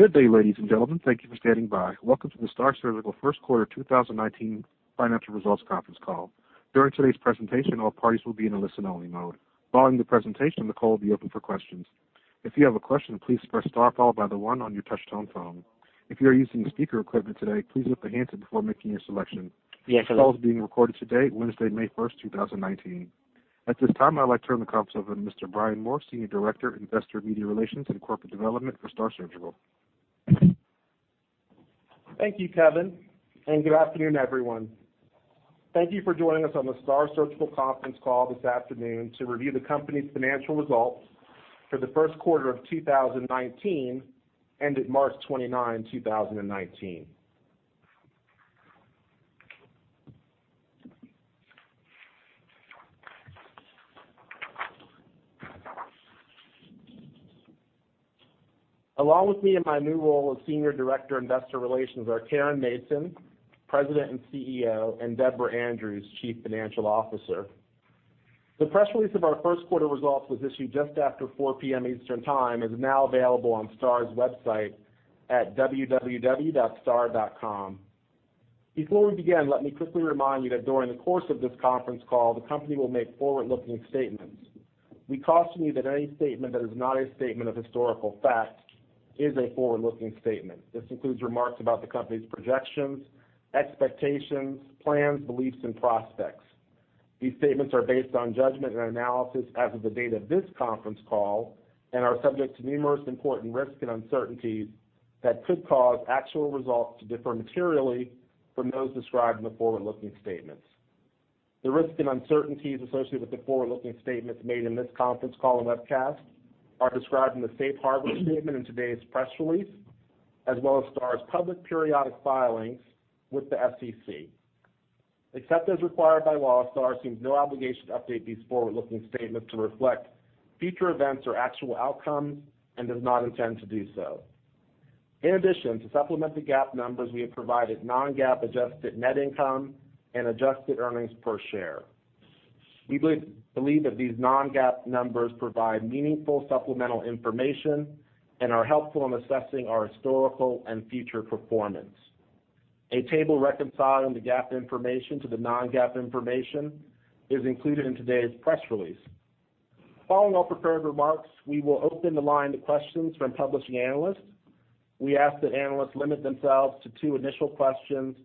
Good day, ladies and gentlemen. Thank you for standing by. Welcome to the STAAR Surgical First Quarter 2019 financial results conference call. During today's presentation, all parties will be in a listen-only mode. Following the presentation, the call will be open for questions. If you have a question, please press star followed by the one on your touch-tone phone. If you are using speaker equipment today, please lift the handset before making your selection. Yes, hello. This call is being recorded today, Wednesday, May 1st, 2019. At this time, I'd like to turn the conference over to Mr. Brian Moore, Senior Director, Investor and Media Relations and Corporate Development for STAAR Surgical. Thank you, Kevin. Good afternoon, everyone. Thank you for joining us on the STAAR Surgical conference call this afternoon to review the company's financial results for the first quarter of 2019, ended March 29, 2019. Along with me in my new role as Senior Director Investor Relations are Caren Mason, President and CEO, and Deborah Andrews, Chief Financial Officer. The press release of our first quarter results was issued just after 4:00 P.M. Eastern Time and is now available on STAAR's website at www.staar.com. Before we begin, let me quickly remind you that during the course of this conference call, the company will make forward-looking statements. We caution you that any statement that is not a statement of historical fact is a forward-looking statement. This includes remarks about the company's projections, expectations, plans, beliefs, and prospects. These statements are based on judgment and analysis as of the date of this conference call and are subject to numerous important risks and uncertainties that could cause actual results to differ materially from those described in the forward-looking statements. The risks and uncertainties associated with the forward-looking statements made in this conference call and webcast are described in the safe harbor statement in today's press release, as well as STAAR's public periodic filings with the SEC. Except as required by law, STAAR assumes no obligation to update these forward-looking statements to reflect future events or actual outcomes and does not intend to do so. In addition, to supplement the GAAP numbers, we have provided non-GAAP adjusted net income and adjusted earnings per share. We believe that these non-GAAP numbers provide meaningful supplemental information and are helpful in assessing our historical and future performance. A table reconciling the GAAP information to the non-GAAP information is included in today's press release. Following our prepared remarks, we will open the line to questions from publishing analysts. We ask that analysts limit themselves to two initial questions,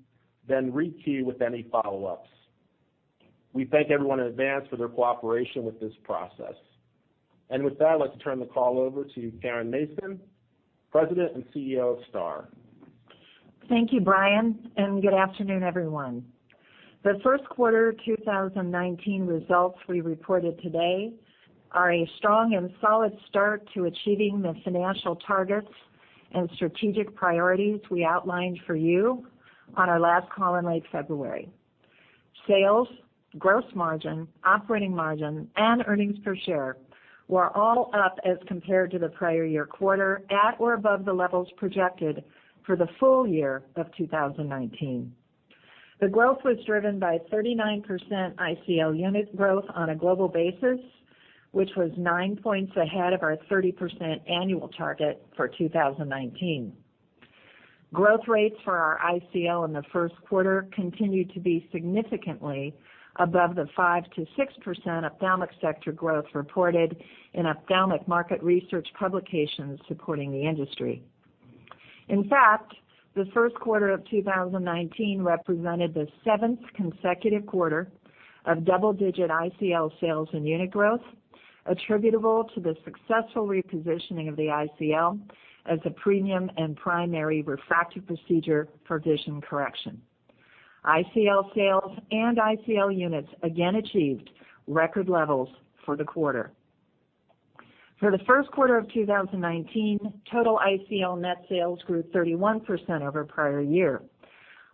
then re-queue with any follow-ups. We thank everyone in advance for their cooperation with this process. With that, I'd like to turn the call over to Caren Mason, President and Chief Executive Officer of STAAR. Thank you, Brian. Good afternoon, everyone. The first quarter 2019 results we reported today are a strong and solid start to achieving the financial targets and strategic priorities we outlined for you on our last call in late February. Sales, gross margin, operating margin, and earnings per share were all up as compared to the prior year quarter at or above the levels projected for the full year of 2019. The growth was driven by 39% ICL unit growth on a global basis, which was nine points ahead of our 30% annual target for 2019. Growth rates for our ICL in the first quarter continued to be significantly above the 5%-6% ophthalmic sector growth reported in ophthalmic market research publications supporting the industry. In fact, the first quarter of 2019 represented the seventh consecutive quarter of double-digit ICL sales and unit growth attributable to the successful repositioning of the ICL as a premium and primary refractive procedure for vision correction. ICL sales and ICL units again achieved record levels for the quarter. For the first quarter of 2019, total ICL net sales grew 31% over prior year.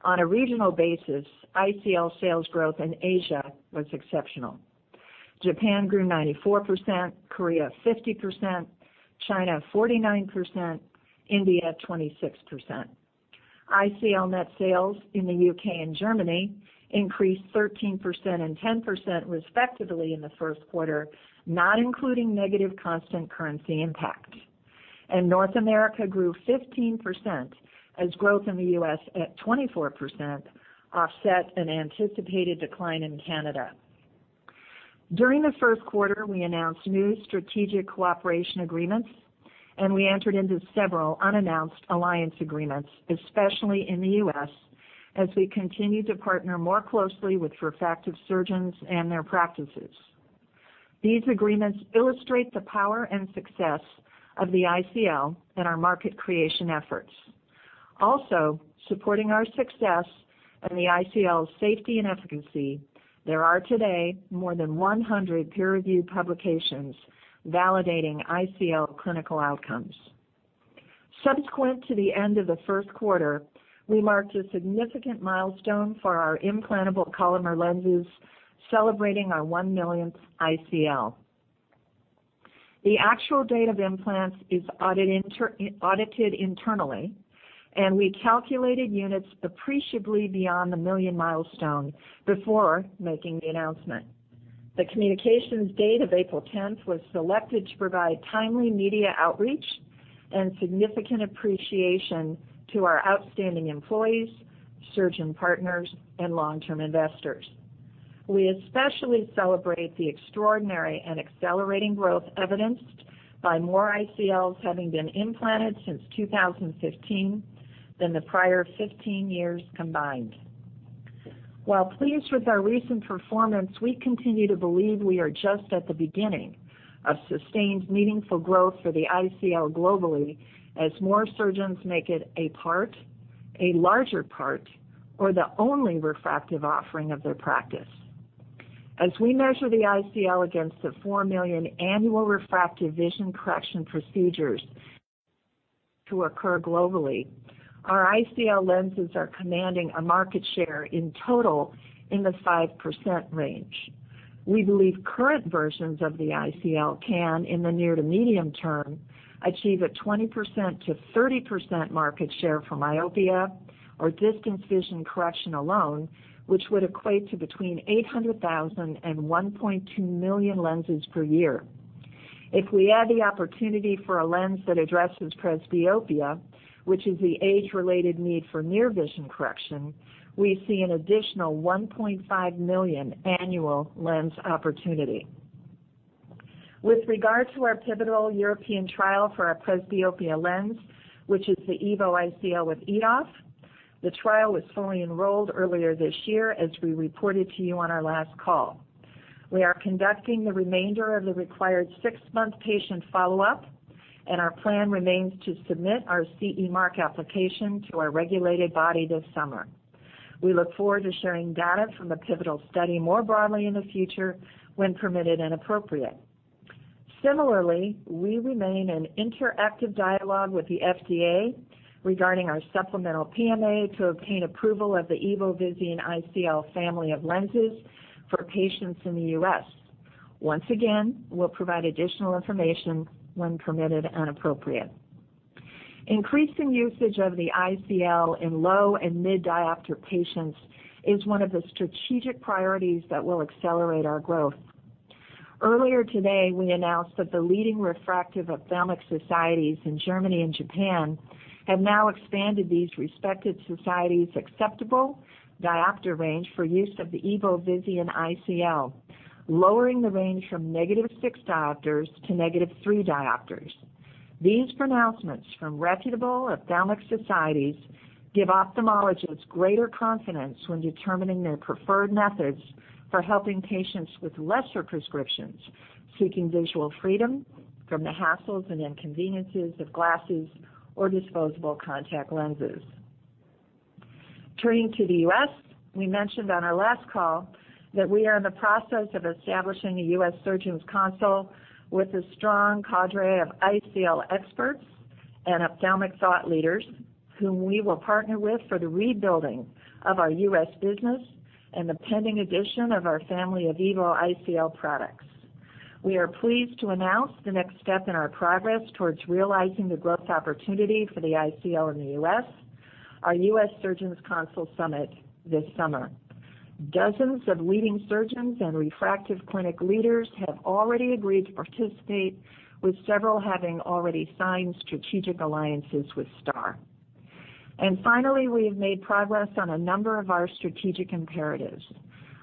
On a regional basis, ICL sales growth in Asia was exceptional. Japan grew 94%, Korea 50%, China 49%, India 26%. ICL net sales in the U.K. and Germany increased 13% and 10% respectively in the first quarter, not including negative constant currency impact. North America grew 15%, as growth in the U.S. at 24% offset an anticipated decline in Canada. During the first quarter, we announced new strategic cooperation agreements, and we entered into several unannounced alliance agreements, especially in the U.S., as we continue to partner more closely with refractive surgeons and their practices. These agreements illustrate the power and success of the ICL and our market creation efforts. Also, supporting our success and the ICL's safety and efficacy, there are today more than 100 peer-reviewed publications validating ICL clinical outcomes. Subsequent to the end of the first quarter, we marked a significant milestone for our Implantable Collamer lenses, celebrating our 1 millionth ICL. The actual date of implants is audited internally, and we calculated units appreciably beyond the million milestone before making the announcement. The communications date of April 10th was selected to provide timely media outreach and significant appreciation to our outstanding employees, surgeon partners, and long-term investors. We especially celebrate the extraordinary and accelerating growth evidenced by more ICLs having been implanted since 2015 than the prior 15 years combined. While pleased with our recent performance, we continue to believe we are just at the beginning of sustained, meaningful growth for the ICL globally as more surgeons make it a part, a larger part, or the only refractive offering of their practice. As we measure the ICL against the 4 million annual refractive vision correction procedures to occur globally, our ICL lenses are commanding a market share in total in the 5% range. We believe current versions of the ICL can, in the near to medium term, achieve a 20%-30% market share for myopia or distance vision correction alone, which would equate to between 800,000 and 1.2 million lenses per year. If we add the opportunity for a lens that addresses presbyopia, which is the age-related need for near vision correction, we see an additional 1.5 million annual lens opportunity. With regard to our pivotal European trial for our presbyopia lens, which is the EVO ICL with EDOF, the trial was fully enrolled earlier this year, as we reported to you on our last call. We are conducting the remainder of the required 6-month patient follow-up, and our plan remains to submit our CE Mark application to our regulated body this summer. We look forward to sharing data from the pivotal study more broadly in the future when permitted and appropriate. Similarly, we remain in interactive dialogue with the FDA regarding our supplemental PMA to obtain approval of the EVO Visian ICL family of lenses for patients in the U.S. Once again, we'll provide additional information when permitted and appropriate. Increasing usage of the ICL in low and mid diopter patients is one of the strategic priorities that will accelerate our growth. Earlier today, we announced that the leading refractive ophthalmic societies in Germany and Japan have now expanded these respected societies' acceptable diopter range for use of the EVO Visian ICL, lowering the range from negative six diopters to negative three diopters. These pronouncements from reputable ophthalmic societies give ophthalmologists greater confidence when determining their preferred methods for helping patients with lesser prescriptions seeking visual freedom from the hassles and inconveniences of glasses or disposable contact lenses. Turning to the U.S., we mentioned on our last call that we are in the process of establishing a U.S. surgeons council with a strong cadre of ICL experts and ophthalmic thought leaders whom we will partner with for the rebuilding of our U.S. business and the pending addition of our family of EVO ICL products. We are pleased to announce the next step in our progress towards realizing the growth opportunity for the ICL in the U.S., our U.S. Surgeons Council summit this summer. Dozens of leading surgeons and refractive clinic leaders have already agreed to participate, with several having already signed strategic alliances with STAAR. Finally, we have made progress on a number of our strategic imperatives.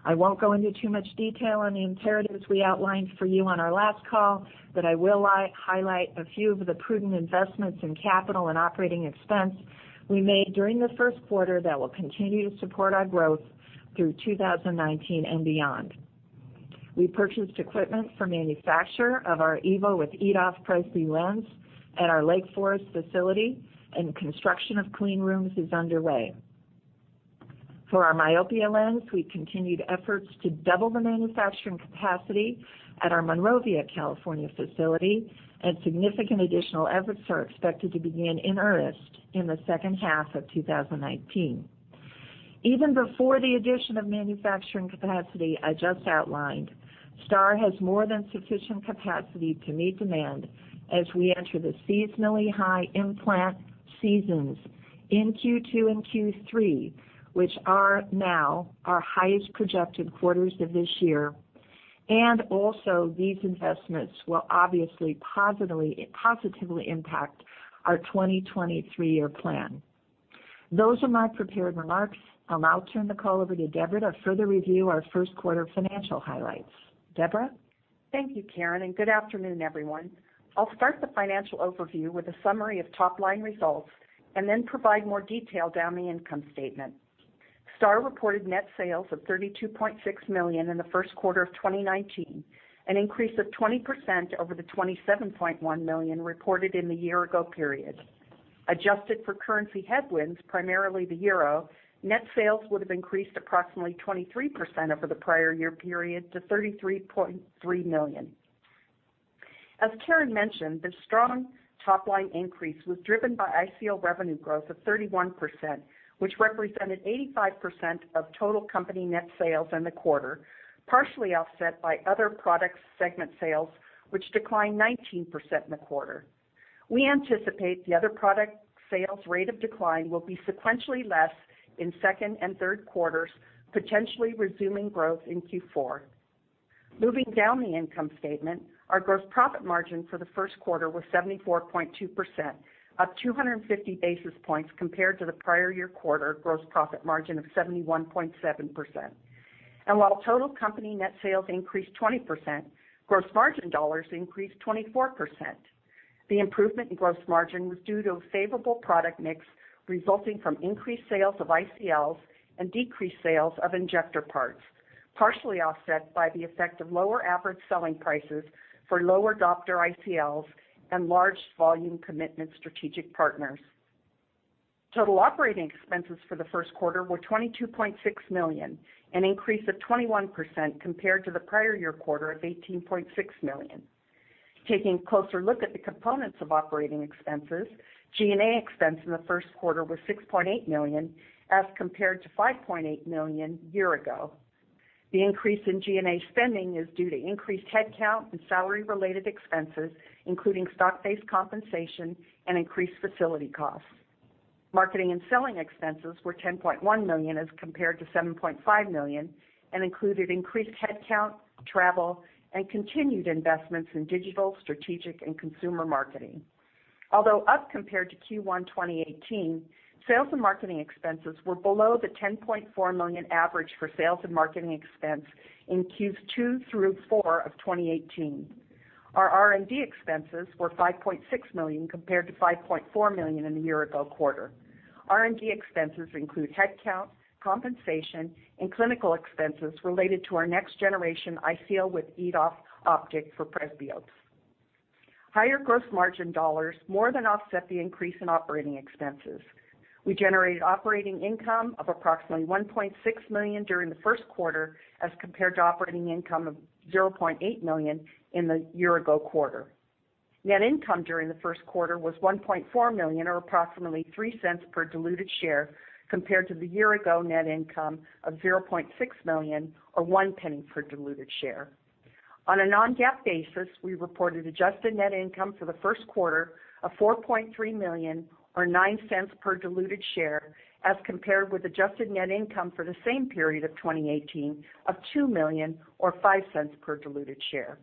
I won't go into too much detail on the imperatives we outlined for you on our last call, but I will highlight a few of the prudent investments in capital and operating expense we made during the first quarter that will continue to support our growth through 2019 and beyond. We purchased equipment for manufacture of our EVO with EDOF presby lens at our Lake Forest facility, and construction of clean rooms is underway. For our myopia lens, we continued efforts to double the manufacturing capacity at our Monrovia, California, facility, and significant additional efforts are expected to begin in earnest in the second half of 2019. Even before the addition of manufacturing capacity I just outlined, STAAR has more than sufficient capacity to meet demand as we enter the seasonally high implant seasons in Q2 and Q3, which are now our highest projected quarters of this year. Also, these investments will obviously positively impact our 2023 year plan. Those are my prepared remarks. I'll now turn the call over to Deborah to further review our first quarter financial highlights. Deborah? Thank you, Caren, and good afternoon, everyone. I'll start the financial overview with a summary of top-line results and then provide more detail down the income statement. STAAR reported net sales of $32.6 million in the first quarter of 2019, an increase of 20% over the $27.1 million reported in the year-ago period. Adjusted for currency headwinds, primarily the euro, net sales would have increased approximately 23% over the prior year period to $33.3 million. As Caren mentioned, the strong top-line increase was driven by ICL revenue growth of 31%, which represented 85% of total company net sales in the quarter, partially offset by other products segment sales, which declined 19% in the quarter. We anticipate the other product sales rate of decline will be sequentially less in second and third quarters, potentially resuming growth in Q4. Moving down the income statement, our gross profit margin for the first quarter was 74.2%, up 250 basis points compared to the prior year quarter gross profit margin of 71.7%. While total company net sales increased 20%, gross margin dollars increased 24%. The improvement in gross margin was due to a favorable product mix resulting from increased sales of ICLs and decreased sales of injector parts, partially offset by the effect of lower average selling prices for lower diopter ICLs and large volume commitment strategic partners. Total operating expenses for the first quarter were $22.6 million, an increase of 21% compared to the prior year quarter of $18.6 million. Taking a closer look at the components of operating expenses, G&A expense in the first quarter was $6.8 million as compared to $5.8 million a year ago. The increase in G&A spending is due to increased headcount and salary-related expenses, including stock-based compensation and increased facility costs. Marketing and selling expenses were $10.1 million as compared to $7.5 million and included increased headcount, travel, and continued investments in digital, strategic, and consumer marketing. Although up compared to Q1 2018, sales and marketing expenses were below the $10.4 million average for sales and marketing expense in Q2 through 4 of 2018. Our R&D expenses were $5.6 million compared to $5.4 million in the year-ago quarter. R&D expenses include headcount, compensation, and clinical expenses related to our next-generation ICL with EDOF optic for presbyopes. Higher gross margin dollars more than offset the increase in operating expenses. We generated operating income of approximately $1.6 million during the first quarter, as compared to operating income of $0.8 million in the year-ago quarter. Net income during the first quarter was $1.4 million or approximately $0.03 per diluted share, compared to the year-ago net income of $0.6 million or $0.01 per diluted share. On a non-GAAP basis, we reported adjusted net income for the first quarter of $4.3 million or $0.09 per diluted share, as compared with adjusted net income for the same period of 2018 of $2 million or $0.05 per diluted share.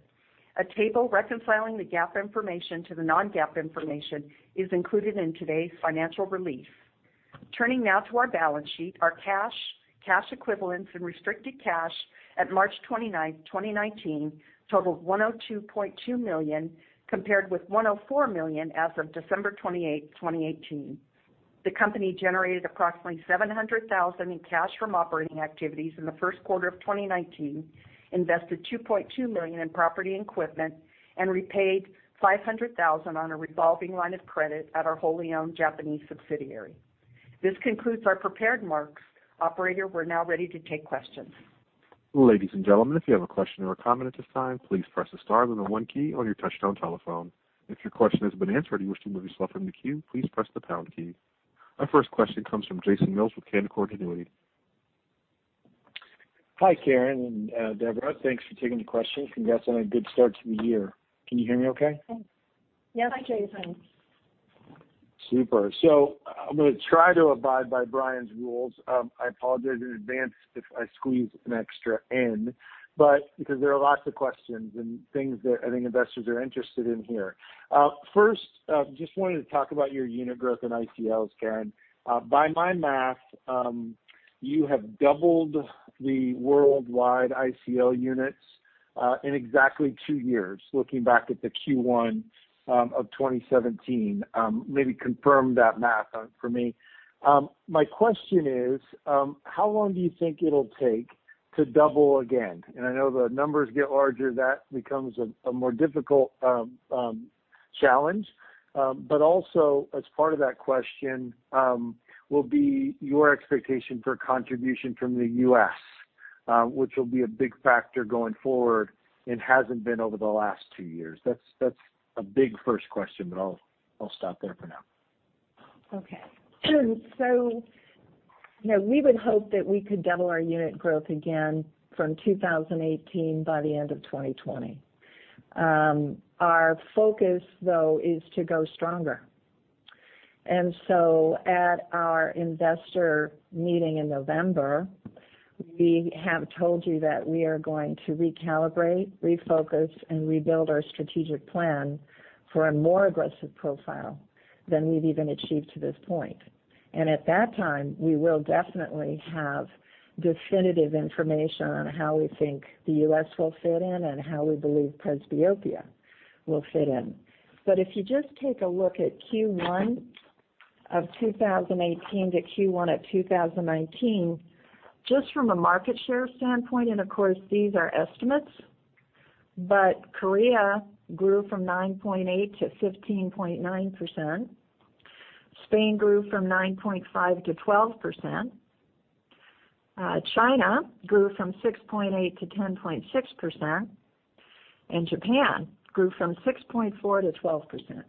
A table reconciling the GAAP information to the non-GAAP information is included in today's financial release. Turning now to our balance sheet, our cash equivalents, and restricted cash at March 29th, 2019, totaled $102.2 million, compared with $104 million as of December 28th, 2018. The company generated approximately $700,000 in cash from operating activities in the first quarter of 2019, invested $2.2 million in property and equipment, and repaid $500,000 on a revolving line of credit at our wholly owned Japanese subsidiary. This concludes our prepared remarks. Operator, we are now ready to take questions. Ladies and gentlemen, if you have a question or a comment at this time, please press the star then the one key on your touch-tone telephone. If your question has been answered and you wish to remove yourself from the queue, please press the pound key. Our first question comes from Jason Mills with Canaccord Genuity. Hi, Caren and Deborah. Thanks for taking the question. Congrats on a good start to the year. Can you hear me okay? Yes. Hi, Jason. Super. I'm gonna try to abide by Brian's rules. I apologize in advance if I squeeze an extra in, because there are lots of questions and things that I think investors are interested in here. First, just wanted to talk about your unit growth in ICLs, Caren. By my math, you have doubled the worldwide ICL units in exactly two years, looking back at the Q1 of 2017. Maybe confirm that math for me. My question is, how long do you think it'll take to double again? I know the numbers get larger, that becomes a more difficult challenge. Also, as part of that question, will be your expectation for contribution from the U.S., which will be a big factor going forward and hasn't been over the last two years. That's a big first question, but I'll stop there for now. Okay. We would hope that we could double our unit growth again from 2018 by the end of 2020. Our focus, though, is to go stronger. At our investor meeting in November, we have told you that we are going to recalibrate, refocus, and rebuild our strategic plan for a more aggressive profile than we've even achieved to this point. At that time, we will definitely have definitive information on how we think the U.S. will fit in and how we believe presbyopia will fit in. If you just take a look at Q1 of 2018 to Q1 of 2019, just from a market share standpoint, and of course, these are estimates, Korea grew from 9.8% to 15.9%. Spain grew from 9.5% to 12%. China grew from 6.8% to 10.6%, and Japan grew from 6.4% to 12%.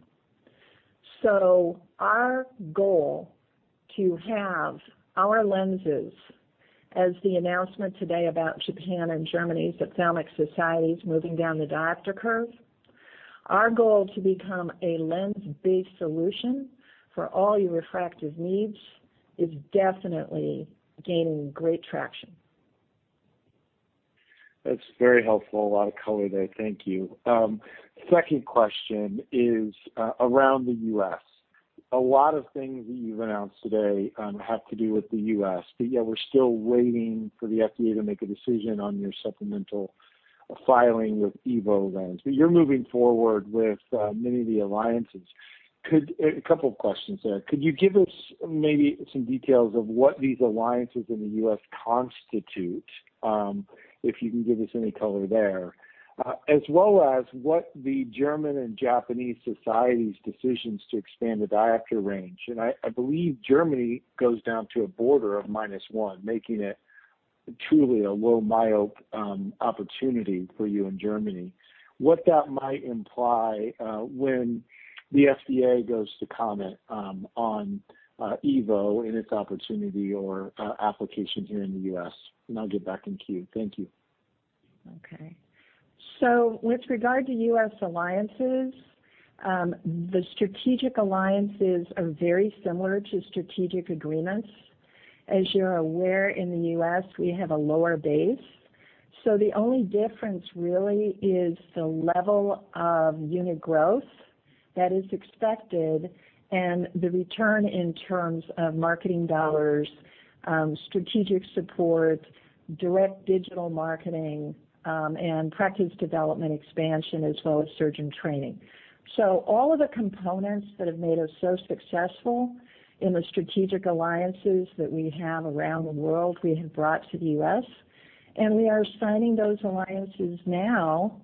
Our goal to have our lenses As the announcement today about Japan and Germany's ophthalmic societies moving down the diopter curve, our goal to become a lens-based solution for all your refractive needs is definitely gaining great traction. That's very helpful. A lot of color there. Thank you. Second question is around the U.S. A lot of things that you've announced today have to do with the U.S., but yet we're still waiting for the FDA to make a decision on your supplemental filing with EVO lenses. You're moving forward with many of the alliances. A couple questions there. Could you give us maybe some details of what these alliances in the U.S. constitute, if you can give us any color there, as well as what the German and Japanese societies decisions to expand the diopter range. I believe Germany goes down to a border of -1, making it truly a low myope opportunity for you in Germany. What that might imply when the FDA goes to comment on EVO in its opportunity or application here in the U.S., and I'll get back in queue. Thank you. Okay. With regard to U.S. alliances, the strategic alliances are very similar to strategic agreements. As you're aware, in the U.S., we have a lower base. The only difference really is the level of unit growth that is expected and the return in terms of marketing dollars, strategic support, direct digital marketing, and practice development expansion, as well as surgeon training. All of the components that have made us so successful in the strategic alliances that we have around the world, we have brought to the U.S., and we are signing those alliances now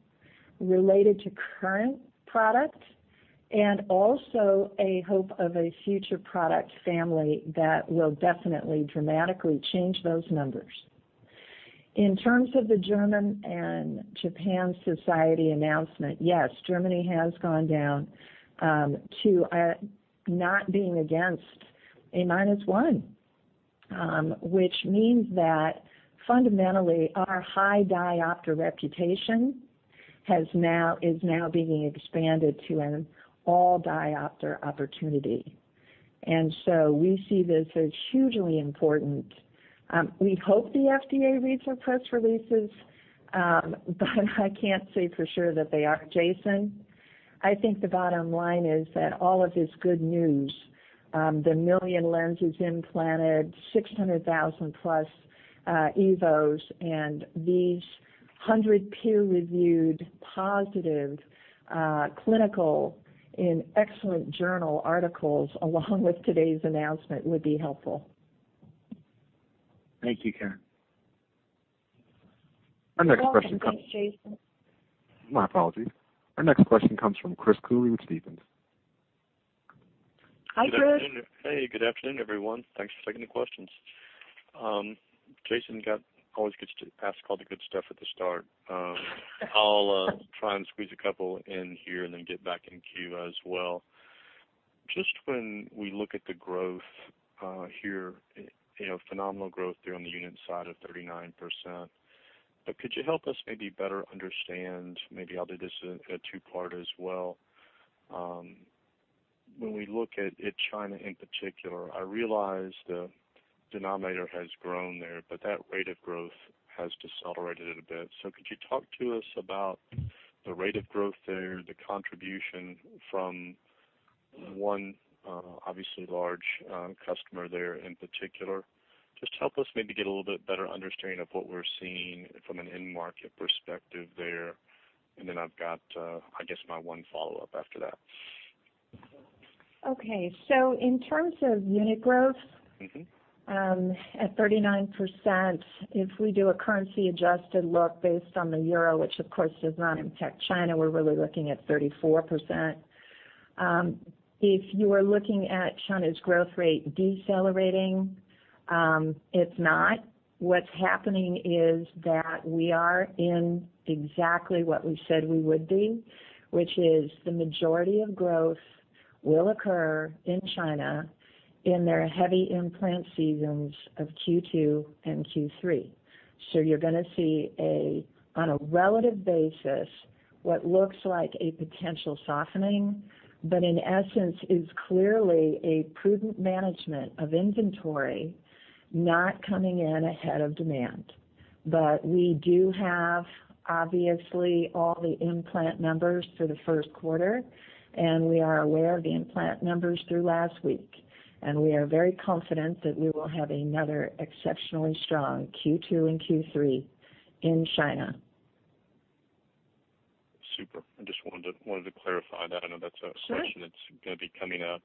related to current products and also a hope of a future product family that will definitely dramatically change those numbers. In terms of the German and Japan society announcement, yes, Germany has gone down to not being against a minus one, which means that fundamentally our high diopter reputation is now being expanded to an all diopter opportunity. We see this as hugely important. We hope the FDA reads our press releases, but I can't say for sure that they are, Jason. I think the bottom line is that all of this good news, the 1 million lenses implanted, 600,000+ EVOs, and these 100 peer-reviewed positive clinical and excellent journal articles along with today's announcement would be helpful. Thank you, Caren. Our next question comes. You're welcome. Thanks, Jason. My apologies. Our next question comes from Chris Cooley with Stephens. Hi, Chris. Hey, good afternoon, everyone. Thanks for taking the questions. Jason always gets to ask all the good stuff at the start. I'll try and squeeze a couple in here and then get back in queue as well. Just when we look at the growth here, phenomenal growth there on the unit side of 39%, but could you help us maybe better understand, maybe I'll do this as a two-part as well. When we look at China in particular, I realize the denominator has grown there, but that rate of growth has decelerated a bit. Could you talk to us about the rate of growth there, the contribution from one obviously large customer there in particular? Just help us maybe get a little bit better understanding of what we're seeing from an end market perspective there. I've got my one follow-up after that. Okay. In terms of unit growth at 39%, if we do a currency-adjusted look based on the EUR, which of course does not impact China, we're really looking at 34%. If you are looking at China's growth rate decelerating, it's not. What's happening is that we are in exactly what we said we would be, which is the majority of growth will occur in China in their heavy implant seasons of Q2 and Q3. You're going to see, on a relative basis, what looks like a potential softening, but in essence is clearly a prudent management of inventory not coming in ahead of demand. We do have, obviously, all the implant numbers for the first quarter, and we are aware of the implant numbers through last week, and we are very confident that we will have another exceptionally strong Q2 and Q3 in China. Super. I just wanted to clarify that. I know that's a question that's going to be coming up.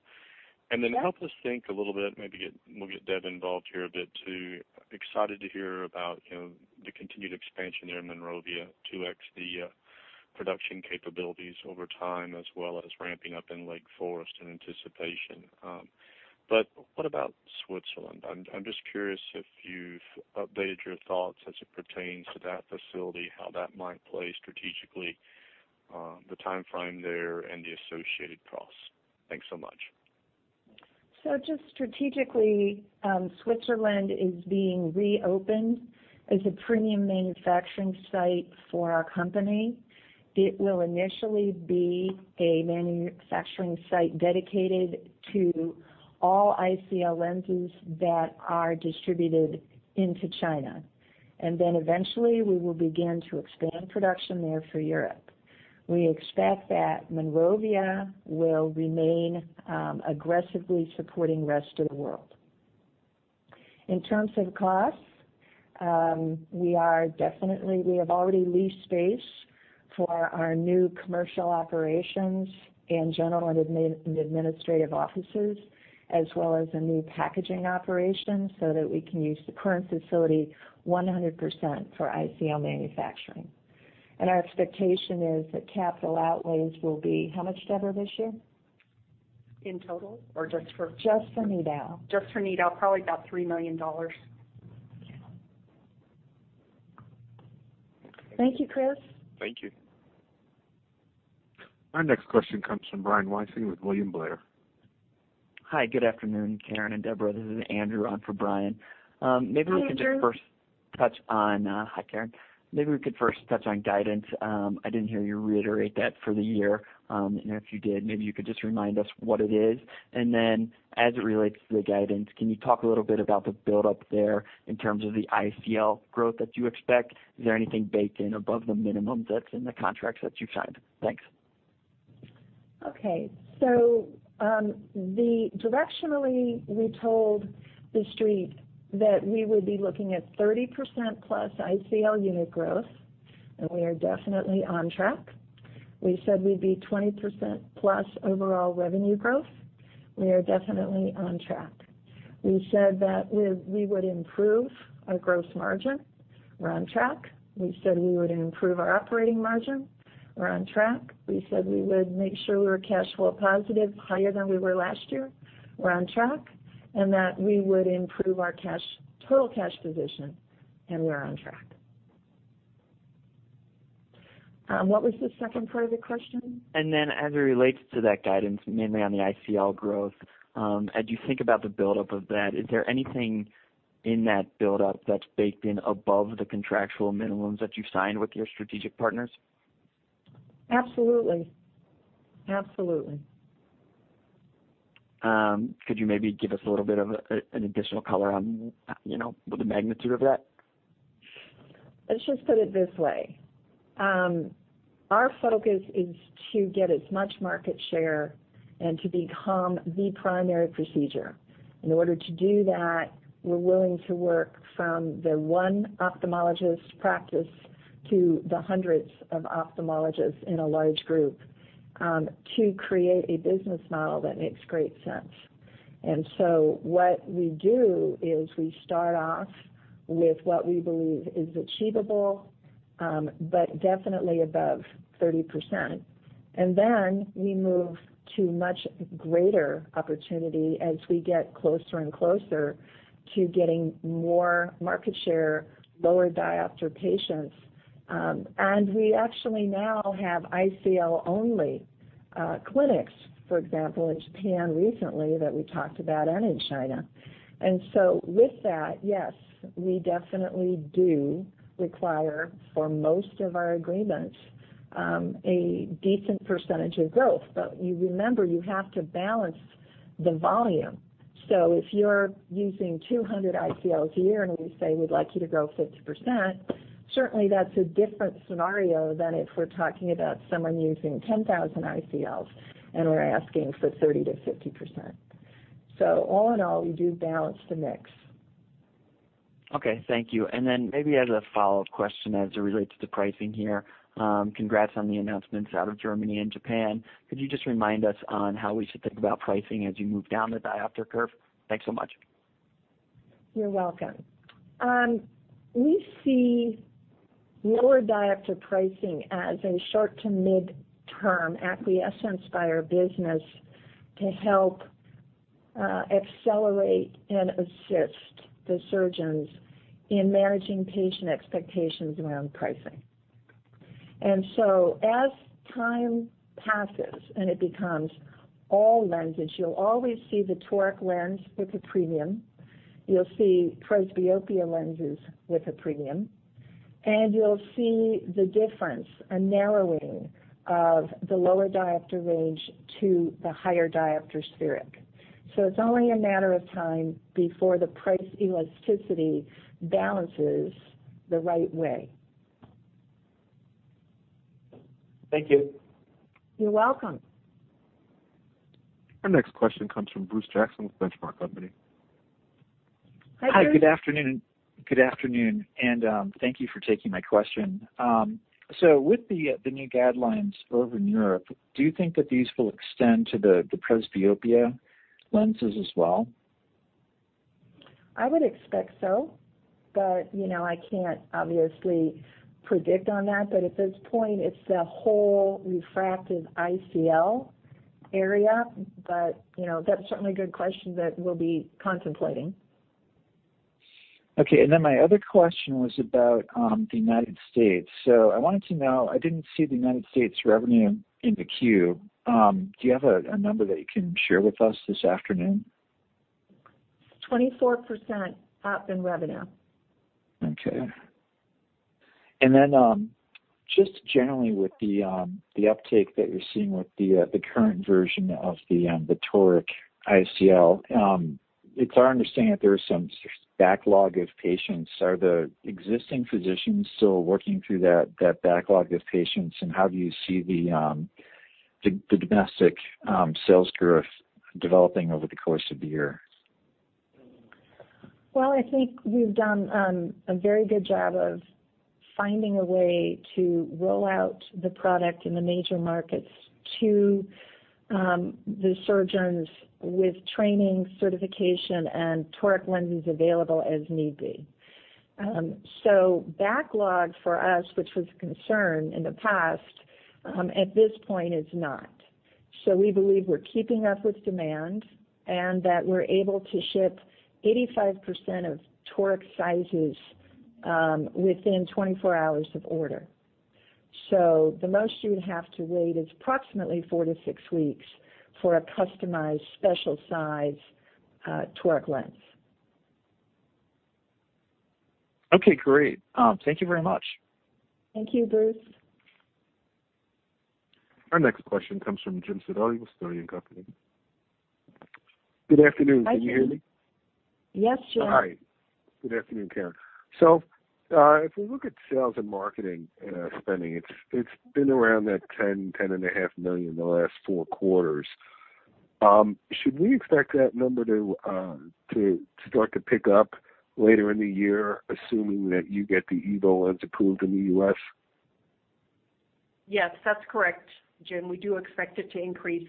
Sure. Help us think a little bit, maybe we'll get Deb involved here a bit too. Excited to hear about the continued expansion there in Monrovia, 2x the production capabilities over time, as well as ramping up in Lake Forest in anticipation. What about Switzerland? I'm just curious if you've updated your thoughts as it pertains to that facility, how that might play strategically, the timeframe there, and the associated costs. Thanks so much. Just strategically, Switzerland is being reopened as a premium manufacturing site for our company. It will initially be a manufacturing site dedicated to all ICL lenses that are distributed into China. Eventually, we will begin to expand production there for Europe. We expect that Monrovia will remain aggressively supporting rest of the world. In terms of costs, we have already leased space for our new commercial operations and general and administrative offices, as well as a new packaging operation so that we can use the current facility 100% for ICL manufacturing. Our expectation is that capital outlays will be how much, Deborah, this year? In total, or just for- Just for Nidau. Just for Nidau, probably about $3 million. Okay. Thank you, Chris. Thank you. Our next question comes from Brian Wysong with William Blair. Hi, good afternoon, Caren and Deborah. This is Andrew on for Brian. Andrew. Hi, Caren. Maybe we could first touch on guidance. I didn't hear you reiterate that for the year, if you did, maybe you could just remind us what it is. As it relates to the guidance, can you talk a little bit about the buildup there in terms of the ICL growth that you expect? Is there anything baked in above the minimum that's in the contracts that you've signed? Thanks. Okay. Directionally, we told the Street that we would be looking at 30%-plus ICL unit growth, and we are definitely on track. We said we'd be 20%-plus overall revenue growth. We are definitely on track. We said that we would improve our gross margin. We're on track. We said we would improve our operating margin. We're on track. We said we would make sure we were cash flow positive, higher than we were last year. We're on track. We would improve our total cash position, and we're on track. What was the second part of the question? As it relates to that guidance, mainly on the ICL growth, as you think about the buildup of that, is there anything in that buildup that's baked in above the contractual minimums that you signed with your strategic partners? Absolutely. Could you maybe give us a little bit of an additional color on the magnitude of that? Let's just put it this way. Our focus is to get as much market share and to become the primary procedure. In order to do that, we're willing to work from the one ophthalmologist practice to the hundreds of ophthalmologists in a large group to create a business model that makes great sense. What we do is we start off with what we believe is achievable, but definitely above 30%. We move to much greater opportunity as we get closer and closer to getting more market share, lower diopter patients. We actually now have ICL-only clinics, for example, in Japan recently that we talked about, and in China. With that, yes, we definitely do require, for most of our agreements, a decent percentage of growth. You remember, you have to balance the volume. If you're using 200 ICLs a year and we say we'd like you to grow 50%, certainly that's a different scenario than if we're talking about someone using 10,000 ICLs and we're asking for 30%-50%. All in all, we do balance the mix. Okay. Thank you. Maybe as a follow-up question as it relates to the pricing here, congrats on the announcements out of Germany and Japan. Could you just remind us on how we should think about pricing as you move down the diopter curve? Thanks so much. You're welcome. We see lower diopter pricing as a short- to mid-term acquiescence by our business to help accelerate and assist the surgeons in managing patient expectations around pricing. As time passes and it becomes all lenses, you'll always see the Toric lens with a premium, you'll see presbyopia lenses with a premium, and you'll see the difference, a narrowing of the lower diopter range to the higher diopter spheric. It's only a matter of time before the price elasticity balances the right way. Thank you. You're welcome. Our next question comes from Bruce Jackson with Benchmark Company. Hi, Bruce. Hi. Good afternoon, and thank you for taking my question. With the new guidelines over in Europe, do you think that these will extend to the presbyopia lenses as well? I would expect so, but I can't obviously predict on that. At this point, it's the whole refractive ICL area. That's certainly a good question that we'll be contemplating. Okay. My other question was about the United States. I wanted to know, I didn't see the United States revenue in the queue. Do you have a number that you can share with us this afternoon? 24% up in revenue. Okay. Then just generally with the uptake that you're seeing with the current version of the Toric ICL, it's our understanding that there is some sort of backlog of patients. Are the existing physicians still working through that backlog of patients, and how do you see the domestic sales growth developing over the course of the year? Well, I think we've done a very good job of finding a way to roll out the product in the major markets to the surgeons with training, certification, and Toric lenses available as need be. Backlog for us, which was a concern in the past, at this point is not. We believe we're keeping up with demand and that we're able to ship 85% of Toric sizes within 24 hours of order. The most you would have to wait is approximately four to six weeks for a customized special size Toric lens. Okay, great. Thank you very much. Thank you, Bruce. Our next question comes from Jim Sidoti with Sidoti & Company. Good afternoon. Can you hear me? Yes, Jim. Hi. Good afternoon, Caren. If we look at sales and marketing spending, it's been around that $10 million, $ten and a half million the last four quarters. Should we expect that number to start to pick up later in the year, assuming that you get the EVO lens approved in the U.S.? Yes, that's correct, Jim. We do expect it to increase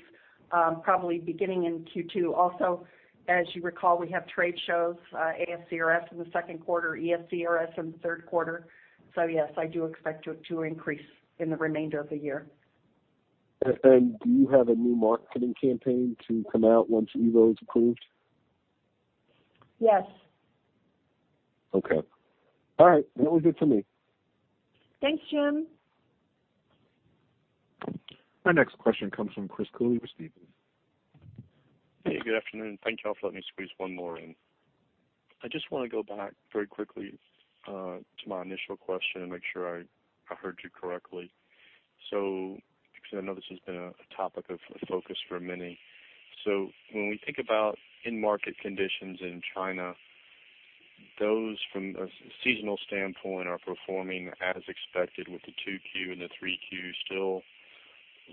probably beginning in Q2. Also, as you recall, we have trade shows, ASCRS in the second quarter, ESCRS in the third quarter. Yes, I do expect it to increase in the remainder of the year. Then do you have a new marketing campaign to come out once EVO is approved? Yes. Okay. All right. That was it for me. Thanks, Jim. Our next question comes from Chris Cooley with Stephens. Hey, good afternoon. Thank you all for letting me squeeze one more in. I just want to go back very quickly to my initial question and make sure I heard you correctly. Because I know this has been a topic of focus for many. When we think about end market conditions in China, those from a seasonal standpoint are performing as expected with the 2Q and the 3Q still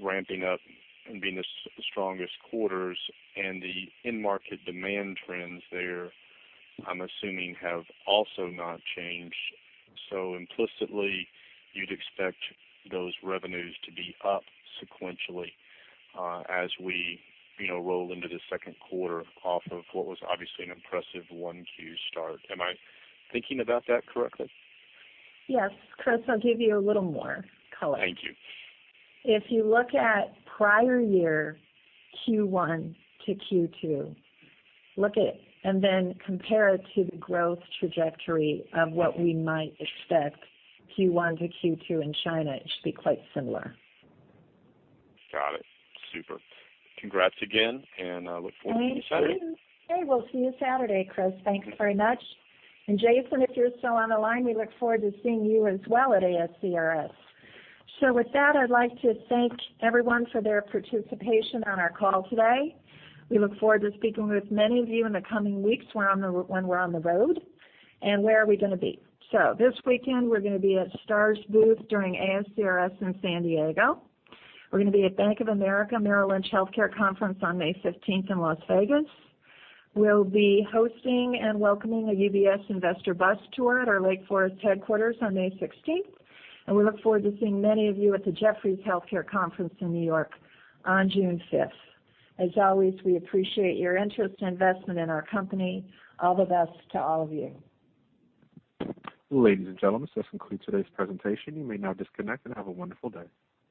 ramping up and being the strongest quarters and the end market demand trends there, I'm assuming have also not changed. Implicitly, you'd expect those revenues to be up sequentially as we roll into the second quarter off of what was obviously an impressive 1Q start. Am I thinking about that correctly? Yes. Chris, I'll give you a little more color. Thank you. If you look at prior year Q1 to Q2, look at and then compare it to the growth trajectory of what we might expect Q1 to Q2 in China, it should be quite similar. Got it. Super. Congrats again, and I look forward to seeing you Saturday. Hey, we'll see you Saturday, Chris. Thanks very much. Jason, if you're still on the line, we look forward to seeing you as well at ASCRS. With that, I'd like to thank everyone for their participation on our call today. We look forward to speaking with many of you in the coming weeks when we're on the road. Where are we going to be? This weekend, we're going to be at STAAR's booth during ASCRS in San Diego. We're going to be at Bank of America Merrill Lynch Health Care Conference on May 15th in Las Vegas. We'll be hosting and welcoming a UBS investor bus tour at our Lake Forest headquarters on May 16th. And we look forward to seeing many of you at the Jefferies Healthcare Conference in New York on June 5th. As always, we appreciate your interest and investment in our company. All the best to all of you. Ladies and gentlemen, this concludes today's presentation. You may now disconnect and have a wonderful day.